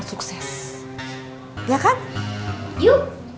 terus tanti ya